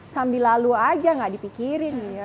sambil lalu saja tidak dipikirkan